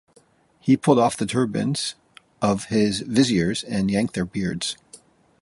He pulled off the turbans of his viziers and yanked their beards.